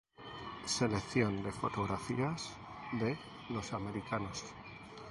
Selección de fotografías de Los americanos